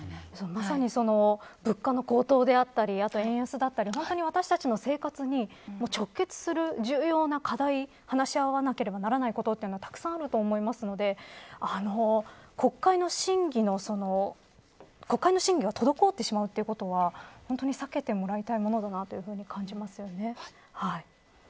まさに物価の高騰だったり円安だったり私たちの生活に直結する重要な課題を話し合わなければならないことってたくさんあると思うので国会の審議が滞ってしまうということは本当に避けてもらいたいものだと感じますね。